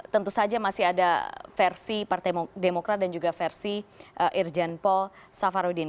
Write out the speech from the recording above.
tentu saja masih ada versi partai demokrat dan juga versi irjen paul safarudin